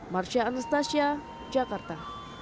marsya anastasia jakarta